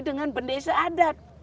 dengan bende seadat